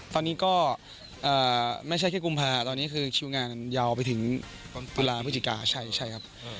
ตอนนี้ก็ไม่ใช่แค่กุมภาตอนนี้คือคิวงานยาวไปถึงตุลาพฤศจิกาใช่ครับ